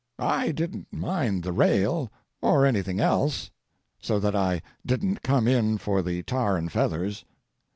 I didn't mind the rail or anything else, so that I didn't come in for the tar and feathers.